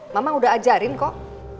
mama udah ajarin kok